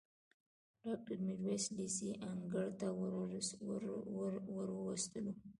ډاکټر میرویس لېسې انګړ ته وروستلو.